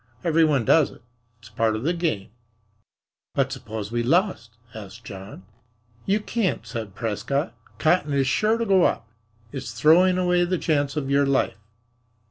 Every one does it. It's part of the game." "But suppose we lost?" asked John. "You can't," said Prescott. "Cotton is sure to go up. It's throwing away the chance of your life."